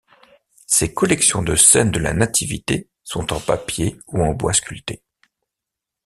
Ces collections de scènes de la nativité sont en papier ou en bois sculpté.